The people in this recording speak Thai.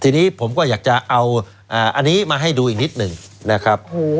ทีนี้ผมก็อยากจะเอาอันนี้มาให้ดูอีกนิดหนึ่งนะครับ